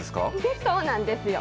そうなんですよ。